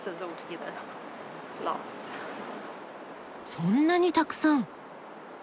そんなにたくさん。